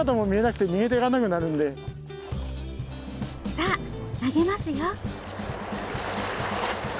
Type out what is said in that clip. さあ投げますよ。